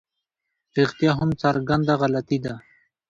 رښتیا هم څرګنده غلطي ده.